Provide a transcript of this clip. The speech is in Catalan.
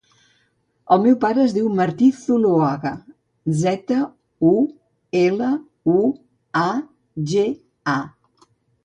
El meu pare es diu Martí Zuluaga: zeta, u, ela, u, a, ge, a.